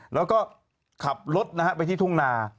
แล้วก็ขับรถนะฮะไปที่ทุ่งนา